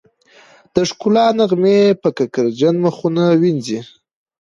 د ښکلا نغمې به کرکجن مخونه ومينځي